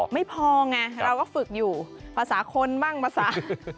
ไม่พอไงเราก็ฝึกอยู่ภาษาคนบ้างภาษา